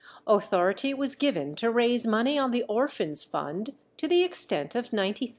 Authority was given to raise money on the Orphans' Fund to the extent of £90,000.